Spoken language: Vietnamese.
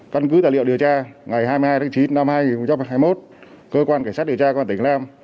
căn cứ tài liệu điều tra ngày hai mươi hai tháng chín năm hai nghìn hai mươi một cơ quan cảnh sát điều tra cơ quan tỉnh lam